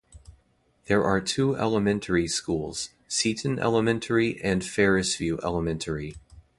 There are two elementary schools: Seton Elementary and Ferrisview Elementary.